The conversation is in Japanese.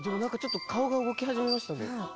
ちょっと顔が動き始めましたね。